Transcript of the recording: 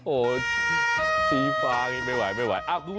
โอ๊ยสีฟ้าไม่ไหว